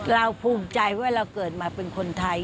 ภูมิใจว่าเราเกิดมาเป็นคนไทย